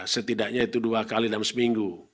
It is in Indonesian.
setidaknya itu dua kali dalam seminggu